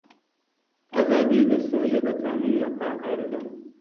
آزادي د سولی د تأمین لپاره اړینه ده.